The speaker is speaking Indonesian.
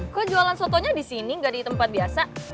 kok jualan sotonya disini gak di tempat biasa